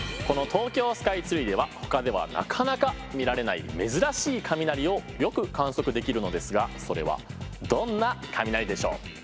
この東京スカイツリーではほかではなかなか見られない珍しい雷をよく観測できるのですがそれはどんな雷でしょう？